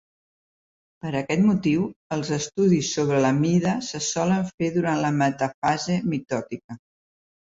Per aquest motiu, els estudis sobre la mida se solen fer durant la metafase mitòtica.